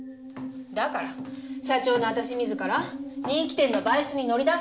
だから社長の私自ら人気店の買収に乗り出したんじゃない。